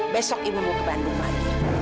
besok ibu mau ke bandung lagi